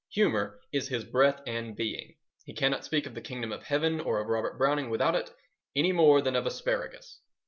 Humour is his breath and being. He cannot speak of the Kingdom of Heaven or of Robert Browning without it any more than of asparagus.